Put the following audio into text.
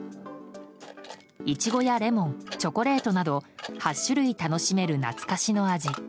イチゴやレモンチョコレートなど８種類楽しめる懐かしの味。